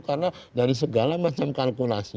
karena dari segala macam kalkulasi